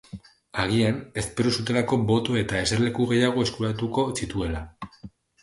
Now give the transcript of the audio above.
Agian, espero zutelako boto eta eserleku gehiago eskuratuko zituela.